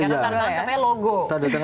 karena tanda tangan sebenarnya logo